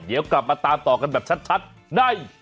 เดี๋ยวกลับมาตามต่อกันแบบชัดใน